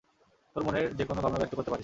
তোর মনের যেকোনো ভাবনা ব্যক্ত করতে পারিস।